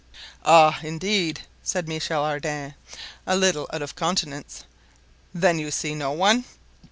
"Ah, indeed!" said Michel Ardan, a little out of countenance; "then you see no one?"